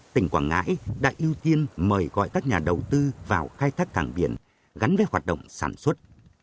tỉnh quảng ngãi đã ưu tiên mời gọi các nhà đầu tư vào khai thác cảng biển gắn với hoạt động sản xuất